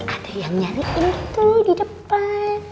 ada yang nyariin itu di depan